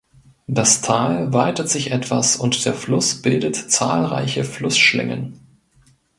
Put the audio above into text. Das Tal weitet sich etwas und der Fluss bildet zahlreiche Flussschlingen.